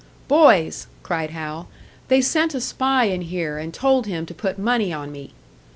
"Boys," cried Hal, "they sent a spy in here, and told him to put money on me."